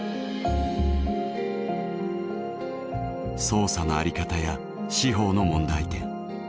捜査のあり方や司法の問題点